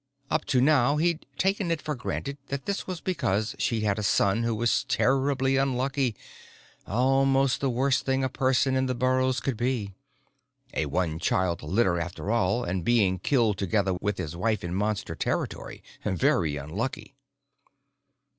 Up to now, he'd taken it for granted that this was because she'd had a son who was terribly unlucky almost the worst thing a person in the burrows could be. A one child litter, after all, and being killed together with his wife in Monster territory. Very unlucky.